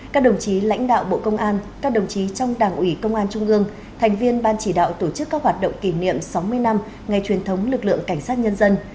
các đồng chí lãnh đạo bộ công an các đồng chí trong đảng ủy công an trung ương thành viên ban chỉ đạo tổ chức các hoạt động kỷ niệm sáu mươi năm ngày truyền thống lực lượng cảnh sát nhân dân